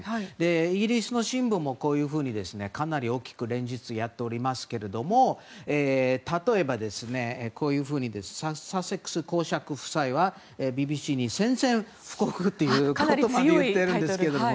イギリスの新聞もかなり大きく、連日やっておりますけども例えば、こういうふうにサセックス公爵夫妻はＢＢＣに宣戦布告ということまでいっているんです。